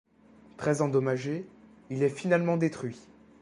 Très endommagé, il est finalement détruit.